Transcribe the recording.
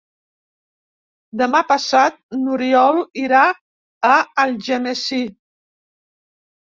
Demà passat n'Oriol irà a Algemesí.